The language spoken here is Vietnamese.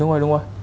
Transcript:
ừ đúng rồi đúng rồi